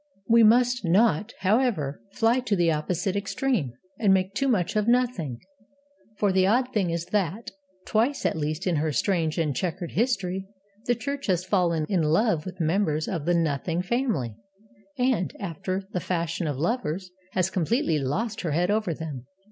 We must not, however, fly to the opposite extreme, and make too much of Nothing. For the odd thing is that, twice at least in her strange and chequered history, the Church has fallen in love with members of the Nothing family, and, after the fashion of lovers, has completely lost her head over them.